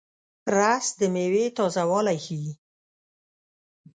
رس د میوې تازهوالی ښيي